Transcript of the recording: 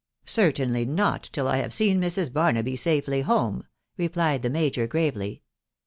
" Certainly not till I have seen Mrs. Barnaby safely home/ replied the major gravely.